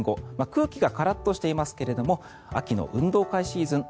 空気がカラッとしていますけれど秋の運動会シーズン。